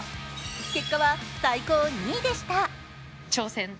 結果は最高２位でした。